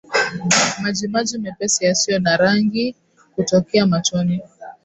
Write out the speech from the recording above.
Majimaji mepesi yasiyo na rangi kutokea machoni